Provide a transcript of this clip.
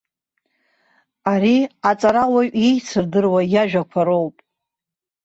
Ари аҵарауаҩ еицырдыруа иажәақәа роуп.